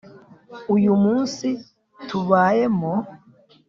uyu munsi tubayemo,